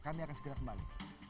kami akan segera kembali